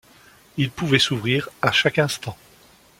Il pouvait s’ouvrir à chaque instant.